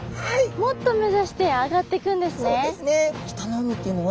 もっと目指して上がっていくんですね。